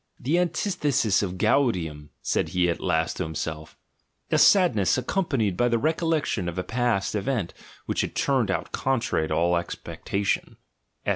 "The antithesis of gaudium," said he at last to himself, — "A sadness ac "GUILT" AND "BAD CONSCIENCE" 75 companied by the recollection of a past event which has turned out contrary to all expectation" (Eth.